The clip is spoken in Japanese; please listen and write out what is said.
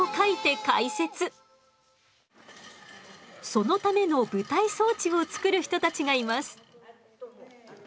そのための舞台装置を作る人たちがいます。